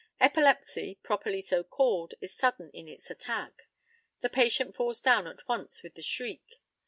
Epilepsy, properly so called, is sudden in its attack. The patient falls down at once with a shriek.